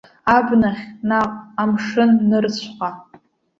Абнахь, наҟ амшын нырцәҟа.